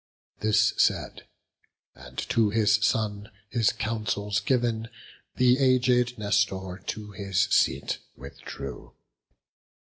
This said, and to his son his counsels giv'n, The aged Nestor to his seat withdrew.